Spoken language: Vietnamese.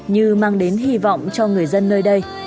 như mang đến hy vọng cho người dân nơi đây